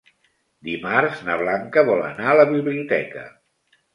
Dimarts na Blanca vol anar a la biblioteca.